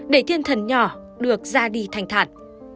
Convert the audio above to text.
để thiên thần nhỏ được ra đi thành thản